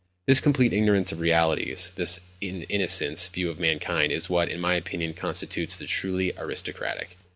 This complete ignorance of the realities, this innocent view of mankind, is what, in my opinion, constitutes the truly aristocratic.